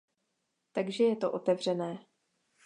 Takže je to otevřené.